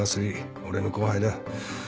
俺の後輩だ。